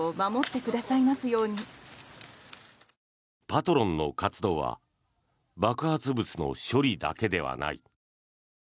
パトロンの活動は爆発物の処理だけではない。